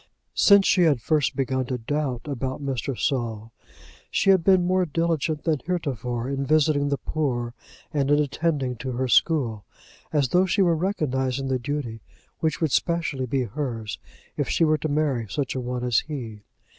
Since she had first begun to doubt about Mr. Saul, she had been more diligent than heretofore in visiting the poor and in attending to her school, as though she were recognizing the duty which would specially be hers if she were to marry such a one as he.